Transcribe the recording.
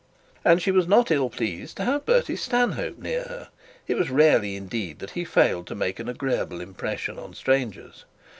And she was not ill pleased to have Bertie Stanhope near her. It was rarely indeed that he failed to make an agreeable impression on strangers.